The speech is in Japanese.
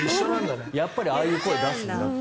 やっぱりああいう声を出すんだと。